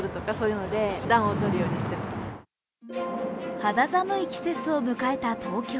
肌寒い季節を迎えた東京。